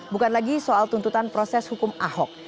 bukan lagi soal tuntutan proses hukum ahok